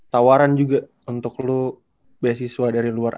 tawaran juga untuk lo beasiswa dari luar